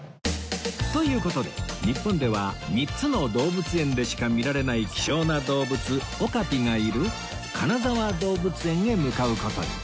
という事で日本では３つの動物園でしか見られない希少な動物オカピがいる金沢動物園へ向かう事に